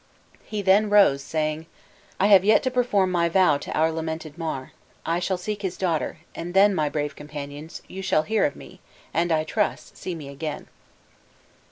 He then rose, saying, "I have yet to perform my vow to our lamented Mar. I shall seek his daughter; and then, my brave companions, you shall hear of me, and, I trust, see me again!"